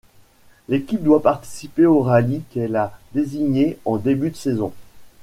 L'équipe doit participer aux rallyes qu'elle a désignés en début de saison.